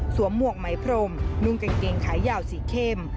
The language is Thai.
หมวกไหมพรมนุ่งกางเกงขายาวสีเข้ม